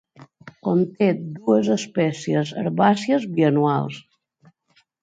Conté dues espècies herbàcies bianuals.